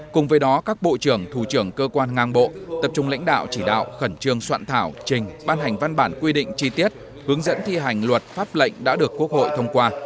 cùng với đó các bộ trưởng thủ trưởng cơ quan ngang bộ tập trung lãnh đạo chỉ đạo khẩn trương soạn thảo trình ban hành văn bản quy định chi tiết hướng dẫn thi hành luật pháp lệnh đã được quốc hội thông qua